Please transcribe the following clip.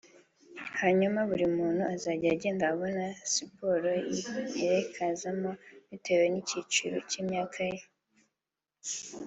hanyuma buri muntu azajye agenda abona siporo yerekezamo bitewe n’icyiciro cy’imyaka ye